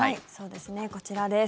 こちらです。